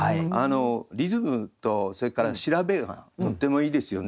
リズムとそれから調べがとってもいいですよね。